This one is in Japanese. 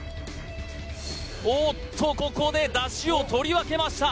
おっとここで出汁を取り分けました